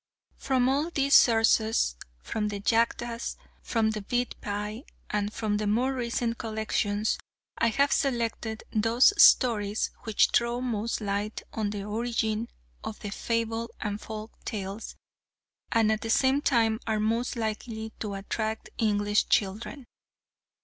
From all these sources from the Jatakas, from the Bidpai, and from the more recent collections I have selected those stories which throw most light on the origin of Fable and Folk tales, and at the same time are most likely to attract English children.